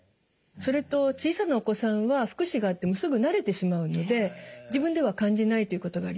それと小さなお子さんは複視があってもすぐ慣れてしまうので自分では感じないということがあります。